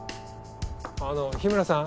あの日村さん。